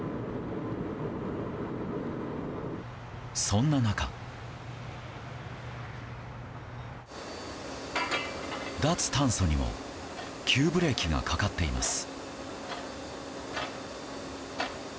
そんな中、脱炭素にも急ブレーキがかかっています。